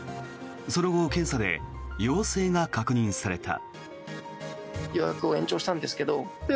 その後、検査で陽性が確認された。